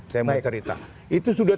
saya mau cerita itu sudah